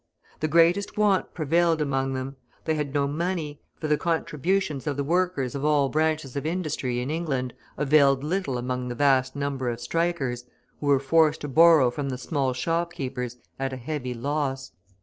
The greatest want prevailed among them; they had no money, for the contributions of the workers of all branches of industry in England availed little among the vast number of strikers, who were forced to borrow from the small shopkeepers at a heavy loss.